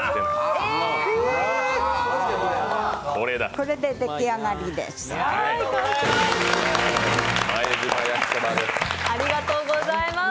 これで出来上がりです。